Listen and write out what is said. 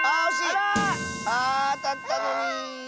あら！ああたったのに！